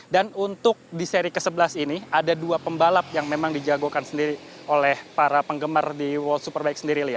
dan untuk di seri ke sebelas ini ada dua pembalap yang memang dijagokan sendiri oleh para penggemar di world superbike sendiri